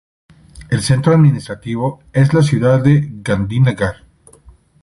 El centro administrativo es la ciudad de Gandhinagar.